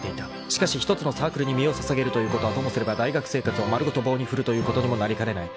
［しかし１つのサークルに身を捧げるということはともすれば大学生活を丸ごと棒に振るということにもなりかねない。